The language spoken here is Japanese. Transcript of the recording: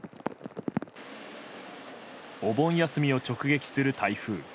お盆休みを直撃する台風。